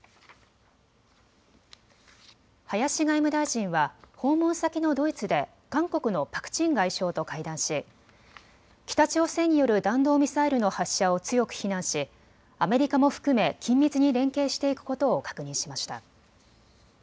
林外務大臣は訪問先のドイツで韓国のパク・チン外相と会談し北朝鮮による弾道ミサイルの発射を強く非難しアメリカも含め緊密に連携していくことを確認しました。